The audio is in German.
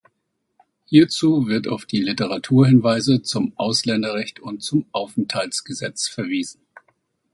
Hierzu wird auf die Literaturhinweise zum Ausländerrecht und zum Aufenthaltsgesetz verwiesen.